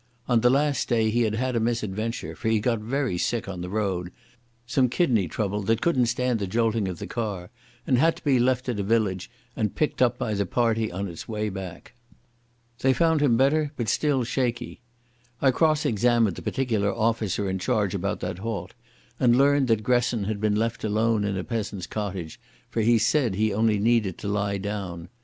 On the last day he had had a misadventure, for he got very sick on the road—some kidney trouble that couldn't stand the jolting of the car—and had to be left at a village and picked up by the party on its way back. They found him better, but still shaky. I cross examined the particular officer in charge about that halt, and learned that Gresson had been left alone in a peasant's cottage, for he said he only needed to lie down.